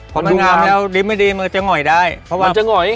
พอมันงามแล้วลิ้มไม่ดีมันจะหง่อยได้เพราะมันจะหงอย